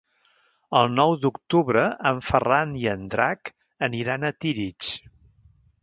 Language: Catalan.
El nou d'octubre en Ferran i en Drac aniran a Tírig.